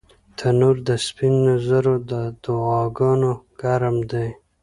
تنور د سپین زرو د دعاګانو ګرم دی